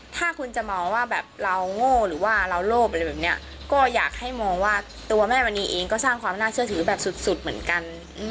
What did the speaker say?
ถ้าคุณจะมองว่าแบบเราโง่หรือว่าเราโลภอะไรแบบนี้ก็อยากให้มองว่าตัวแม่มณีเองก็สร้างความน่าเชื่อถือแบบสุดเหมือนกัน